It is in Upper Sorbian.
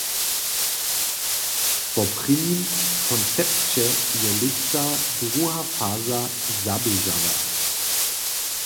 Po prěnim koncepće je lětsa druha faza zaběžała.